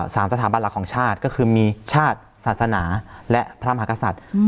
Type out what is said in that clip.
สามสถาบันหลักของชาติก็คือมีชาติศาสนาและพระมหากษัตริย์